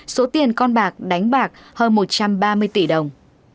số tiền con bạc đánh bạc hơn một trăm ba mươi tỷ đồng